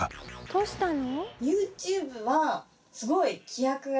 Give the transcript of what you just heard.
どうしたの？